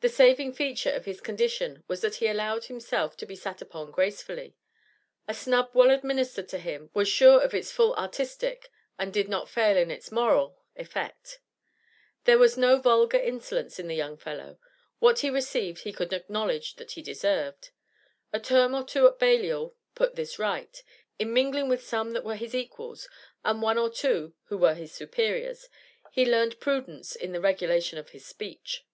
The saving feature of his condition was that he allowed himself to be sat upon gracefully; a snub well administered to him was sure of its full artistic, and did not fail in its moral, effect: there was no vulgar insolence in the young fellow. What he received he could acknowledge that he deserved. A term or two at Balliol put this right; in mingling with some that were his equals, and one or two who were his superiors, he learned prudence in the regulation of his speech.